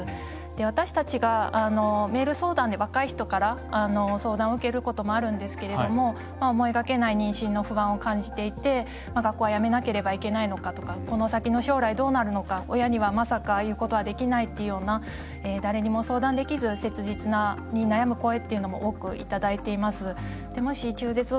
私たちがメール相談で若い人から相談を受けることもあるんですけれども思いがけない妊娠の不安を感じていて学校をやめなければいけないのかとかこの先の将来どうなるのか親にはまさか言うことはできないというような誰にも相談できない切実な声も多くいただいています。